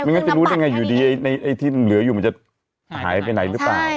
งั้นจะรู้ได้ไงอยู่ดีไอ้ที่เหลืออยู่มันจะหายไปไหนหรือเปล่า